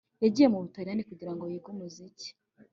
Yagiye mu Butaliyani kugira ngo yige umuziki